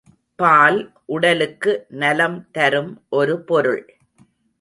பால் உடலுக்கு நலம் தரும் ஒரு பொருள்.